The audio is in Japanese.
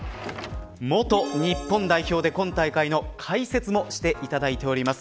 元日本代表で今大会の解説もしていただいております